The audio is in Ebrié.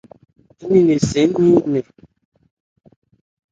Ń ni nnɛn si nmɛn.